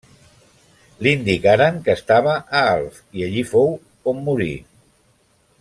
Li indicaren que estava a Alf i allí fou on morí.